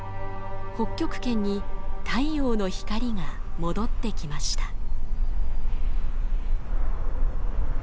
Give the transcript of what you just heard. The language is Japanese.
北極圏に太陽の光が戻ってきました。